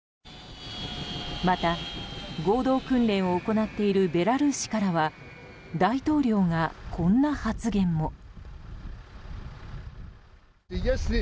また、合同訓練を行っているベラルーシからは大統領がこんな発言も。